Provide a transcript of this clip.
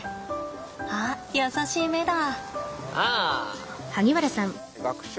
あっ優しい目だ。